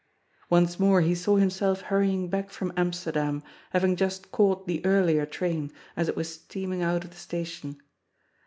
Once more he saw himself hurrying back from Amsterdam, having just caught the earlier train as it was steaming out of the station.